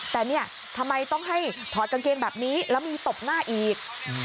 แต่เนี่ยทำไมต้องให้ถอดกางเกงแบบนี้แล้วมีตบหน้าอีก